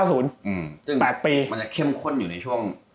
๘ปีมันจะเข้มข้นอยู่ในช่วง